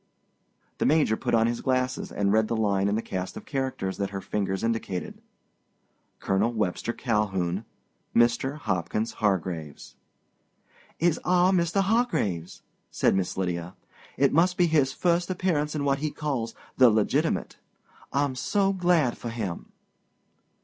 The Major put on his glasses and read the line in the cast of characters that her fingers indicated. Col. Webster Calhoun .... Mr. Hopkins Hargraves. "It's our Mr. Hargraves," said Miss Lydia. "It must be his first appearance in what he calls 'the legitimate.' I'm so glad for him."